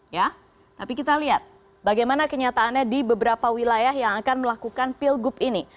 ya tapi kita lihat bagaimana kenyataannya di beberapa wilayah yang akan melakukan pilgub ini